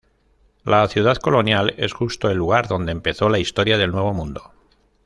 La Ciudad Colonial es justo el lugar donde empezó la historia del Nuevo Mundo.